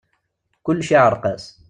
Kulec iɛreq-as.